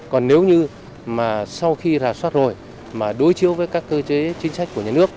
còn nếu như mà sau khi rà soát rồi mà đối chiếu với các cơ chế chính sách của nhà nước